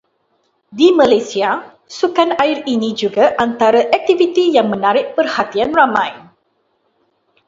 Di Malaysia sukan air ini juga antara aktiviti yang menarik perhatian ramai.